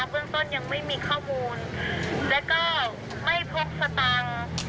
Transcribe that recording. เบื้องต้นยังไม่มีข้อมูลแล้วก็ไม่พบสตางค์